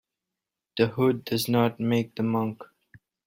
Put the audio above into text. The hood does not make the monk.